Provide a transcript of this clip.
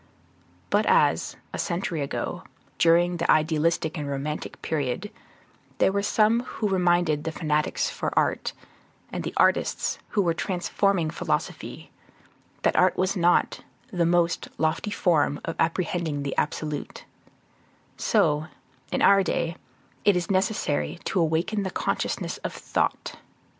But just as, a century ago, during the idealistic and romantic period, there were some who reminded the fanatics for art, and the artists who were transforming philosophy, that art was not "the most lofty form of apprehending the Absolute"; so, in our day, it is necessary to awaken the consciousness of Thought.